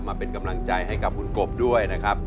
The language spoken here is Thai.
มาเป็นกำลังใจให้กับคุณกบด้วยนะครับ